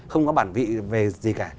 không có bản vị về gì cả